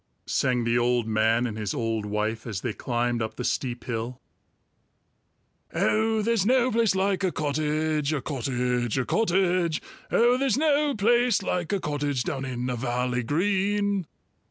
sang the old man and his old wife as they climbed up the steep hill. "Oh, there's no place like a cottage, A cottage, a cottage! Oh, there's no place like a cottage Down in a valley green!"